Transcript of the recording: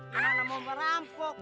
karena mau merampok